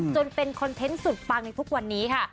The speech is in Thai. จนเป็นคอนเทนต์สุดปังในทุกวันนี้ค่ะ